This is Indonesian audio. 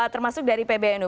termasuk dari pbnu